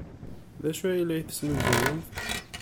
D acu ay la tesnuzuyemt?